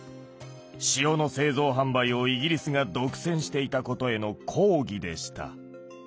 塩の製造販売をイギリスが独占していたことへの抗議でした。